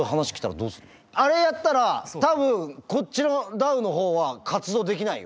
あれやったら多分こっちのダウの方は活動できないよ。